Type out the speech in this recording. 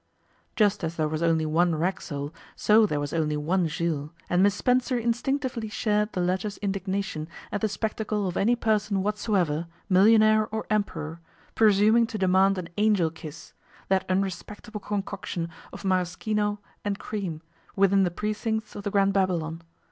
Just as there was only one Racksole, so there was only one Jules, and Miss Spencer instinctively shared the latter's indignation at the spectacle of any person whatsoever, millionaire or Emperor, presuming to demand an 'Angel Kiss', that unrespectable concoction of maraschino and cream, within the precincts of the Grand Babylon.